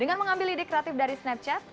dengan mengambil lidik kreatif dari snapchat